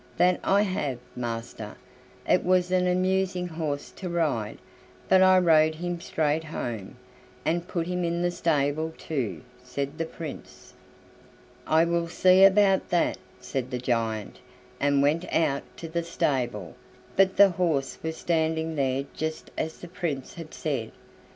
"That I have, master; it was an amusing horse to ride, but I rode him straight home, and put him in the stable too," said the Prince. "I will see about that," said the giant, and went out to the stable, but the horse was standing there just as the Prince had said.